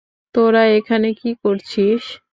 তোরা এখনে কি করছিস?